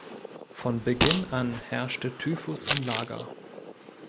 Von Beginn an herrschte Typhus im Lager.